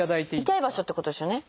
痛い場所ってことですよね。